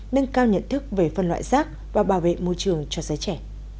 nâng cao nhận thức về phân loại rác và bảo vệ môi trường cho giới trẻ